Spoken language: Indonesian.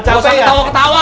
kau selalu ketawa ketawa